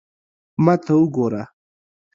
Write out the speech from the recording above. ما ته وګوره